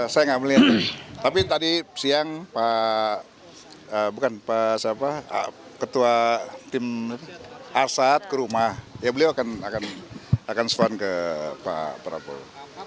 saya tidak melihatnya tapi tadi siang pak bukan pak siapa ketua tim arsyad ke rumah ya beliau akan sempat ke pak prabowo